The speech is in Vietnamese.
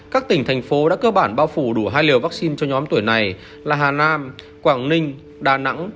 các tỉnh thành phố đã cơ bản bao phủ đủ hai liều vaccine cho nhóm tuổi này là hà nam quảng ninh đà nẵng